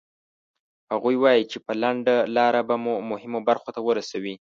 هغوی وایي چې په لنډه لاره به مو مهمو برخو ته ورسوي.